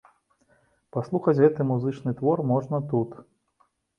Паслухаць гэты музычны твор можна тут.